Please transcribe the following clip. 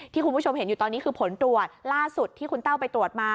คุณผู้ชมเห็นอยู่ตอนนี้คือผลตรวจล่าสุดที่คุณแต้วไปตรวจมา